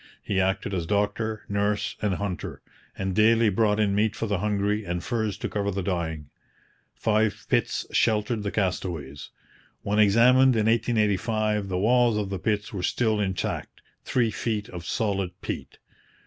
He acted as doctor, nurse, and hunter, and daily brought in meat for the hungry and furs to cover the dying. Five pits sheltered the castaways. When examined in 1885 the walls of the pits were still intact three feet of solid peat.